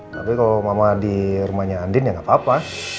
tapi kalau mama di rumahnya andin ya nggak apa apa